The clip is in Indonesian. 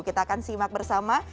kita akan simak bersama